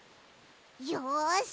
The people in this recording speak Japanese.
よし！